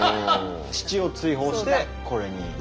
父を追放してこれに。